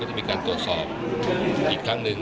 ก็จะมีการทดสอบอีกครั้งหนึ่ง